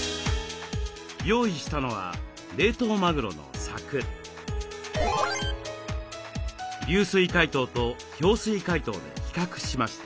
用意したのは流水解凍と氷水解凍で比較しました。